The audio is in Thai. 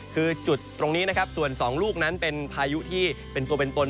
คือจุดตรงนี้นะครับส่วน๒ลูกนั้นเป็นพายุที่เป็นตัวเป็นตน